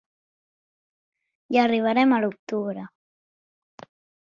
Hi arribarem a l'octubre.